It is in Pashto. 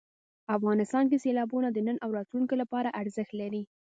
افغانستان کې سیلابونه د نن او راتلونکي لپاره ارزښت لري.